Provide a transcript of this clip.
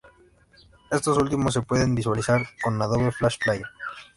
Estos últimos se pueden visualizar con Adobe Flash Player.